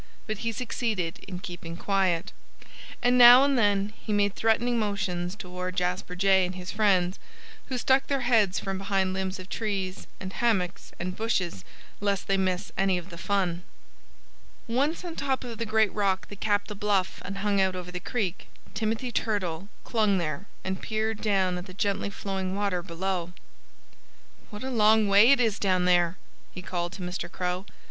But he succeeded in keeping quiet. And now and then he made threatening motions toward Jasper Jay and his friends, who stuck their heads from behind limbs of trees and hummocks and bushes, lest they miss any of the fun. Once on top of the great rock that capped the bluff and hung out over the creek, Timothy Turtle clung there and peered down at the gently flowing water below. "What a long way it is down there!" he called to Mr. Crow.